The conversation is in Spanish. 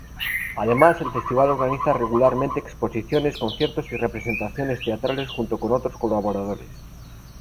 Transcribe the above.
Además, el festival organiza regularmente exposiciones, conciertos y representaciones teatrales junto con otros colaboradores.